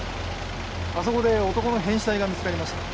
あそこで男の変死体が見つかりました。